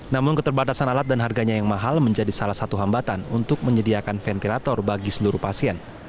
namun keterbatasan alat dan harganya yang mahal menjadi salah satu hambatan untuk menyediakan ventilator bagi seluruh pasien